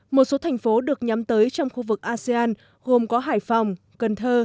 một số thành phố được nhắm tới trong khu vực asean gồm có hải phòng cần thơ